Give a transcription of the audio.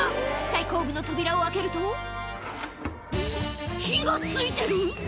最後尾の扉を開けると、火がついてる？